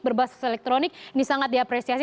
berbasis elektronik ini sangat diapresiasi